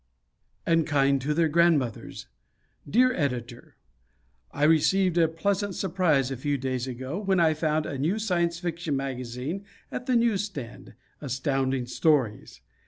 _ "And Kind to Their Grandmothers!" Dear Editor: I received a pleasant surprise a few days ago when I found a new Science Fiction magazine at the newsstand Astounding Stories.